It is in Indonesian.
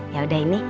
ya udah ini